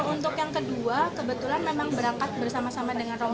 untuk yang kedua kebetulan memang berangkat bersama sama dengan rombongan